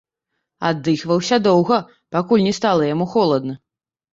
Аддыхваўся доўга, пакуль не стала яму холадна.